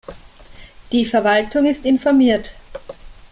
Die Verwaltung ist informiert.